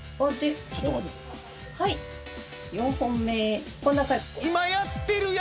はい４本目。